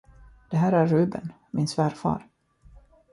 Det här är Ruben, min svärfar.